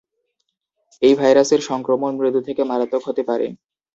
এই ভাইরাসের সংক্রমণ মৃদু থেকে মারাত্মক হতে পারে।